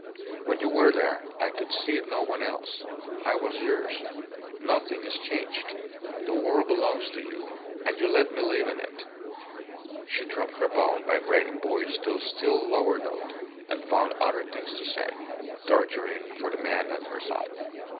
When you were there, I could see no one else. I was yours. Nothing is changed. The world belongs to you, and you let me live in it." ... She dropped her low, vibrating voice to a still lower note, and found other things to say torturing for the man at her side.